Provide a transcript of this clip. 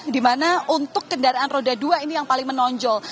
di mana untuk kendaraan roda dua ini yang paling menonjol